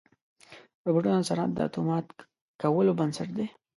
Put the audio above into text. روبوټونه د صنعت د اتومات کولو بنسټ دي.